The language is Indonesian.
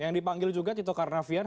yang dipanggil juga tito karnavian